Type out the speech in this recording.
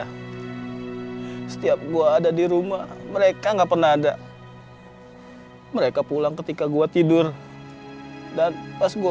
hai setiap gua ada di rumah mereka enggak pernah ada hai mereka pulang ketika gua tidur dan pas gua